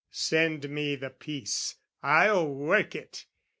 Send me the piece, I'll work it!